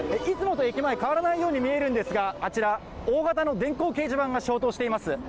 いつもと駅前、変わらないように見えるんですが、あちら、大型の電光掲示板が消灯しています。